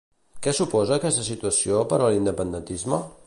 Què suposa aquesta situació per a l'independentisme?